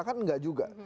kan enggak juga